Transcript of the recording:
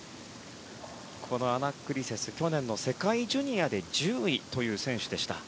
このアナックリセス、去年の世界ジュニアで１０位という選手でした。